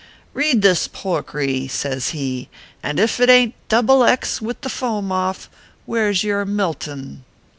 Read this poickry," says he, " and if it aint double X with the foam off, where s your Milton